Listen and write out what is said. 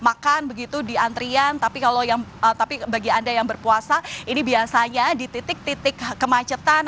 makan begitu di antrian tapi kalau yang tapi bagi anda yang berpuasa ini biasanya di titik titik kemacetan